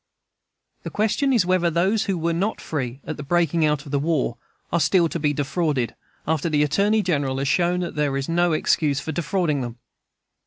The question is, whether those who were not free at the breaking out of the war are still to be defrauded, after the Attorney General has shown that there is no excuse for defrauding them?